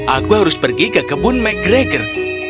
aku harus pergi ke kebun mcgregor